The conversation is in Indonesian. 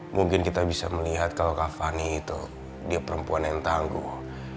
mungkin kita bisa melihat kalau kavani itu dia perempuan yang tangguh